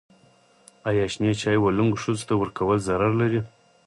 ایا شنې چايي و لنګو ښځو ته ورکول ضرر لري؟